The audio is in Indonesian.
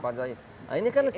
nah ini kan